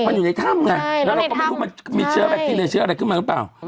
มันอยู่ในถ้ำไงแล้วเราก็ไม่รู้มันมีเชื้อแบคทีเรียเชื้ออะไรขึ้นมาหรือเปล่า